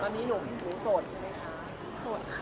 ตอนนี้หนูโสดใช่ไหมคะ